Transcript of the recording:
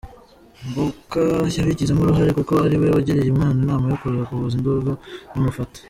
Mboka yabigizemo uruhare kuko ariwe wagiriye umwana inama yo kuza kuvuza induru namufata.